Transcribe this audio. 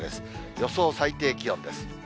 予想最低気温です。